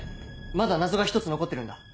まだ謎が１つ残ってるんだ。